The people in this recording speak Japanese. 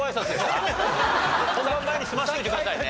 本番前に済ませておいてくださいね。